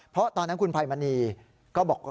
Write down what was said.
เพราะตอนนั้นคุณภัยมณีก็บอกว่า